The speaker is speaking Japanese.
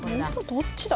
どっちだ？